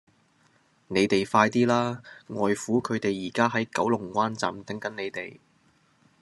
你哋快啲啦!外父佢哋而家喺九龍灣站等緊你哋